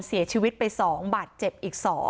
เสียชีวิตไป๒บาทเจ็บอีก๒